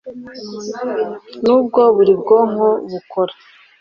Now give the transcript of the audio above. Nubwo buri bwonko bukora